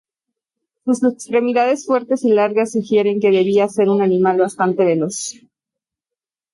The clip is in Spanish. Sus extremidades fuertes y largas sugieren que debía ser un animal bastante veloz.